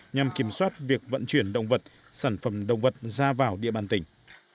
nhằm kiểm soát việc vận chuyển động vật sản phẩm động vật ra vào địa bàn tỉnh